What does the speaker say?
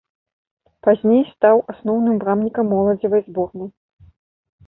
Пазней стаў асноўным брамнікам моладзевай зборнай.